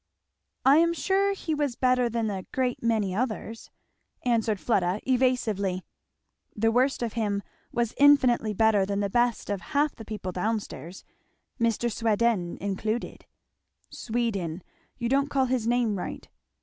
"I am sure he was better than a great many others," answered Fleda evasively; "the worst of him was infinitely better than the best of half the people down stairs, Mr. Sweden included." "Sweden" you don't call his name right."